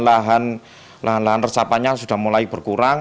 salurannya tetap kemudian lahan lahan resapanya sudah mulai berkurang